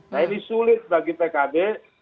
nah ini sulit bagi pkb